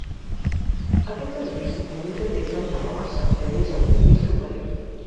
Aquest edifici comunica directament amb la bassa, que és a un nivell superior.